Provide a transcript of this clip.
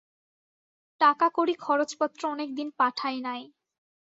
টাকাকড়ি খরচপত্র অনেকদিন পাঠায় নাই।